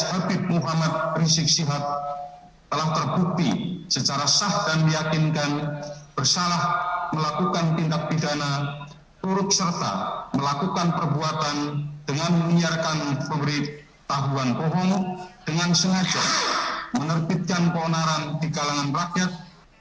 habib muhammad rizik sihab telah terbukti secara sah dan meyakinkan bersalah melakukan tindak pidana turut serta melakukan perbuatan dengan menyiarkan pemberitahuan bohong dengan sengaja menerbitkan keonaran di kalangan rakyat